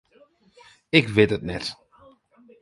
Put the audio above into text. Ik wit it net.